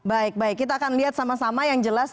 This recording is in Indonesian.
baik baik kita akan lihat sama sama yang jelas